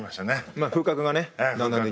まあ風格がねだんだん。